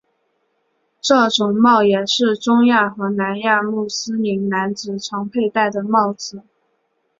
这种帽也是中亚和南亚穆斯林男子常佩戴的帽子。